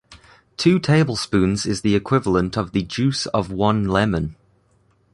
Two tablespoons is the equivalent of the juice of one lemon.